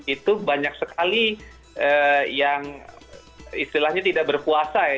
itu banyak sekali yang istilahnya tidak berpuasa ya